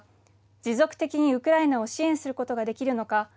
持続的にウクライナを支援することができるのか